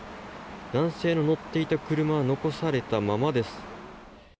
男性の乗っていた車は残されたままです。